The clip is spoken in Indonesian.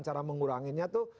cara menguranginnya tuh